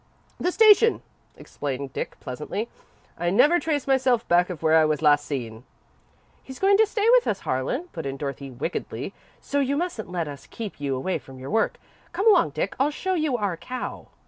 "The station," explained Dick, pleasantly. "I never trace myself back of where I was last seen." "He's going to stay with us, Harlan," put in Dorothy, wickedly, "so you mustn't let us keep you away from your work. Come along, Dick, and I'll show you our cow."